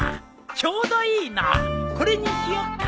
ちょうどいいなこれにしよっか。